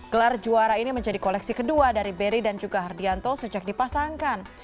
gelar juara ini menjadi koleksi kedua dari berry dan juga hardianto sejak dipasangkan